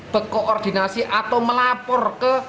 bekoordinasi atau melapor ke